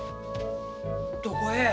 どこへ？